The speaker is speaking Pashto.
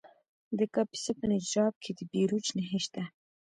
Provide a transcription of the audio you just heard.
د کاپیسا په نجراب کې د بیروج نښې شته.